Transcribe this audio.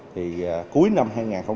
thì cuối năm hai nghìn một mươi chín